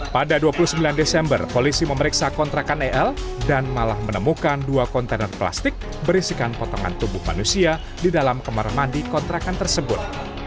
pada dua puluh sembilan desember polisi memeriksa kontrakan el dan malah menemukan dua kontainer plastik berisikan potongan tubuh manusia di dalam kamar mandi kontrakan tersebut